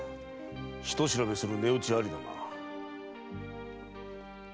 ひと調べする値打ちありだな。